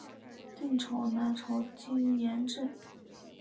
晋朝南朝沿置。